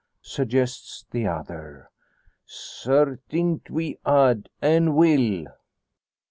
suggests the other. "Sartint we had an' will."